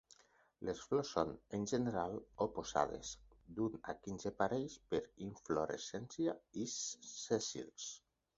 Les flors són, en general, oposades, d'un a quinze parells per inflorescència i sèssils.